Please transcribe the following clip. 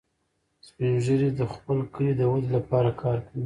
سپین ږیری د خپل کلي د ودې لپاره کار کوي